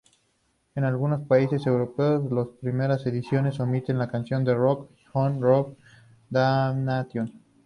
En algunos países europeos las primeras ediciones omiten la canción "Rock 'n' Roll Damnation.